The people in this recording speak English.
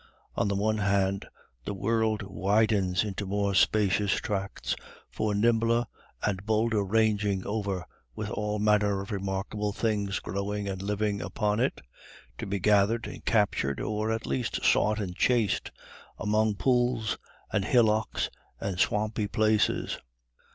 On the one hand, the world widens into more spacious tracts for nimbler and bolder ranging over with all manner of remarkable things growing and living upon it, to be gathered and captured, or at least sought and chased, among pools, and hillocks and swampy places.